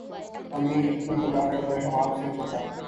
امیں یکدم گھبرا کر برے خواب سے چونکا